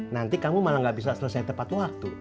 nanti kamu malah gak bisa selesai tepat waktu